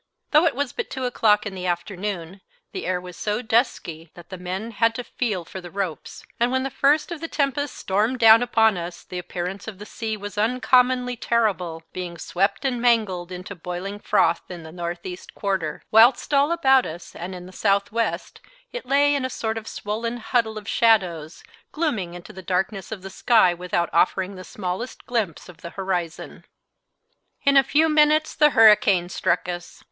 Though it was but two o'clock in the afternoon, the air was so dusky that the men had to feel for the ropes; and when the first of the tempest stormed down upon us the appearance of the sea was uncommonly terrible, being swept and mangled into boiling froth in the north east quarter, whilst all about us and in the south west it lay in a sort of swollen huddle of shadows, glooming into the darkness of the sky without offering the smallest glimpse of the horizon. In a few minutes the hurricane struck us.